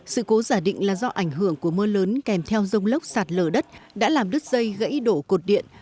sự cố giả định là do ảnh hưởng của mưa lớn kèm theo rông lốc sạt lở đất đã làm đứt dây gãy đổ cột điện